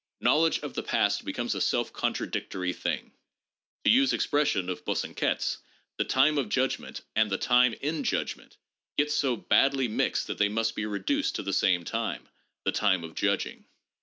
Knowledge of the past becomes a self con tradictory thing. To use expressions of Bosanquet's, — the ' time of judgment ' and the ' time in judgment ' get so badly mixed that they must be reduced to the same time, the time of judging.